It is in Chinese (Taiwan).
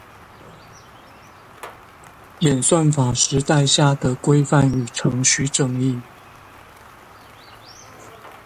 演算法時代下的規範與程序正義